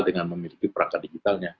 dengan memiliki perangkat digitalnya